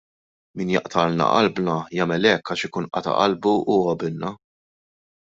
Min jaqtgħalna qalbna jagħmel hekk għaliex ikun qata' qalbu hu qabilna.